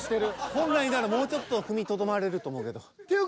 本来ならもうちょっと踏みとどまれると思うけど。